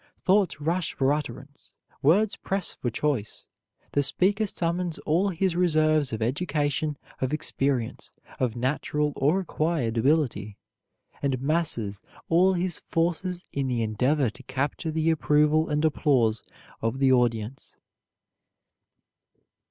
Thoughts rush for utterance, words press for choice. The speaker summons all his reserves of education, of experience, of natural or acquired ability, and masses all his forces in the endeavor to capture the approval and applause of the audience.